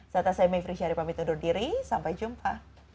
serta saya mayfree syarif amin undur diri sampai jumpa